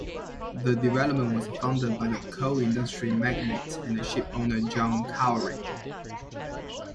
The development was funded by the coal industry magnate and ship owner John Cory.